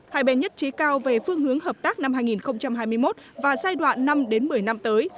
hai bên nhất trí cao về phương hướng hợp tác năm hai nghìn hai mươi một và giai đoạn năm một mươi năm tới